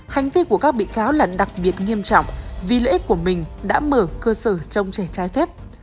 hành vi của các bị cáo là đặc biệt nghiêm trọng vì lễ của mình đã mở cơ sở trong trẻ trai phép